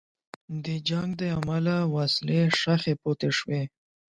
د جنګ له امله وسلې ښخي پاتې شوې.